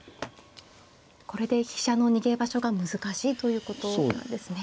これで飛車の逃げ場所が難しいということなんですね。